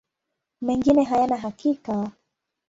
Mengine hayana hakika.